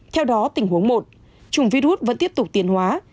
theo đó tình huống một chủng virus vẫn tiếp tục tiên hóa